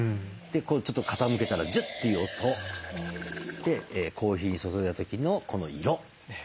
ちょっと傾けたらジュッていう音。でコーヒー注いだ時のこの色。